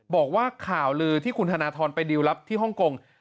บอกว่าข่าวลือที่คุณธนทรไปดิวรับที่ฮ่องกง